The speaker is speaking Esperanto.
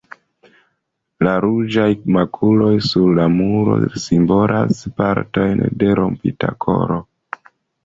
La ruĝaj makuloj sur la muro simbolas partojn de rompita koro.